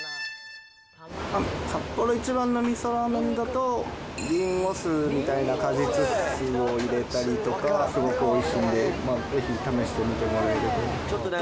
サッポロ一番のみそラーメンだと、リンゴ酢みたいな果実酢を入れたりとか、すごくおいしいので、ぜひ試してみてもらえると。